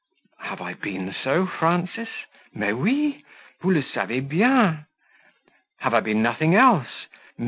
"Have I been so, Frances?" "Mais oui; vous le savez bien." "Have I been nothing else?"